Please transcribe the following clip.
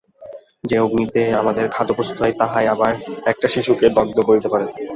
যে-অগ্নিতে আমাদের খাদ্য প্রস্তুত হয়, তাহাই আবার একটি শিশুকে দগ্ধ করিতে পারে।